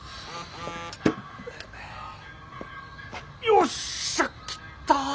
よっしゃ来た！